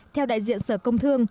theo đại diện sở công thương